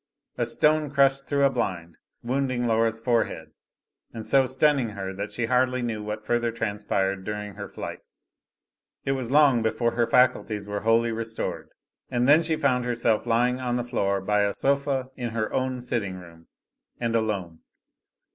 A stone crushed through a blind, wounding Laura's forehead, and so stunning her that she hardly knew what further transpired during her flight. It was long before her faculties were wholly restored, and then she found herself lying on the floor by a sofa in her own sitting room, and alone.